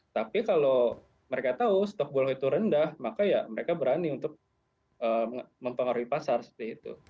tapi kalau mereka tahu stok gol itu rendah maka ya mereka berani untuk mempengaruhi pasar seperti itu